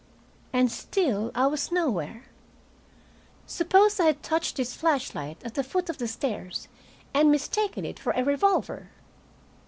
And still I was nowhere. Suppose I had touched this flashlight at the foot of the stairs and mistaken it for a revolver.